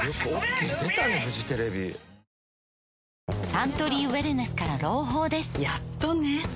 サントリーウエルネスから朗報ですやっとね